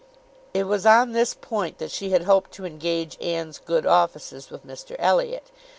It was on this point that she had hoped to engage Anne's good offices with Mr Elliot.